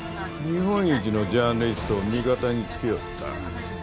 日本一のジャーナリストを味方につけよった。